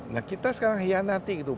nah kita sekarang hianati gitu